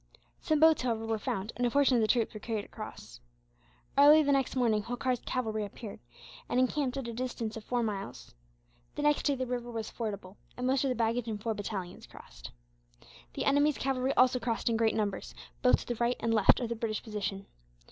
Some boats, however, were found, and a portion of the troops were carried across. Early the next morning Holkar's cavalry appeared, and encamped at a distance of four miles. The next day the river was fordable, and most of the baggage and four battalions crossed. The enemy's cavalry also crossed in great numbers, both to the right and left of the British position.